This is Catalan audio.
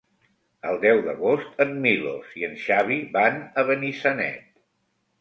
El deu d'agost en Milos i en Xavi van a Benissanet.